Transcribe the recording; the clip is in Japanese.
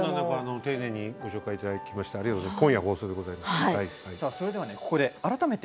丁寧にご紹介いただきまして。